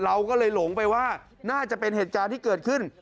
เราก็เลยหลงไปว่าน่าจะเป็นเหตุการณ์ที่เกิดขึ้น